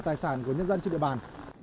tài sản của nhân dân trên địa bàn